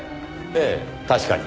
ええ確かに。